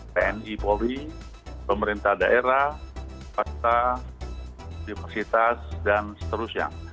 tni polri pemerintah daerah pasta diversitas dan seterusnya